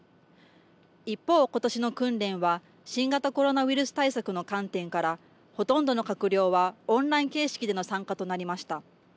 一方、ことしの訓練は新型コロナウイルス対策の観点からほとんどの閣僚はオンライン形式での参加となりました。